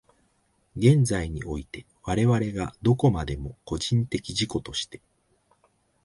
現在において、我々がどこまでも個人的自己として、